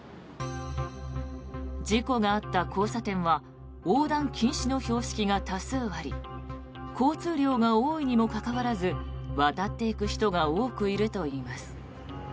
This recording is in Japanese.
事故があった交差点は横断禁止の標識が多数あり交通量が多いにもかかわらず渡っていく人が多くいるといいます。